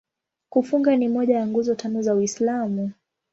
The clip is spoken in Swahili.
Kufunga ni moja ya Nguzo Tano za Uislamu.